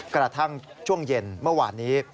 กระทั่งช่วงเย็นเมื่อวานนี้